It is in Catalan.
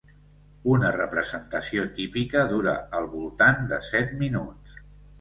Una representació típica dura al voltant de set minuts.